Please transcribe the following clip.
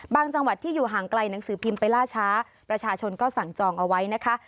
จังหวัดที่อยู่ห่างไกลหนังสือพิมพ์ไปล่าช้าประชาชนก็สั่งจองเอาไว้นะคะ